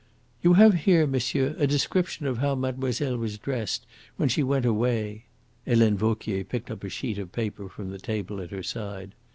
"You have here, monsieur, a description of how mademoiselle was dressed when she went away." Helene Vauquier picked up a sheet of paper from the table at her side.